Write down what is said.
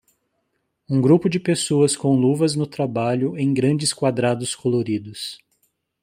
Um grupo de pessoas com luvas no trabalho em grandes quadrados coloridos.